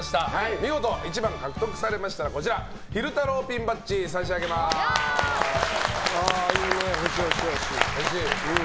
見事１番を獲得されましたら昼太郎ピンバッジ欲しい、欲しい。